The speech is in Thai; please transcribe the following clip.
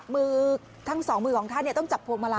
มือทั้งสองมือของท่านต้องจับพวงมาลัย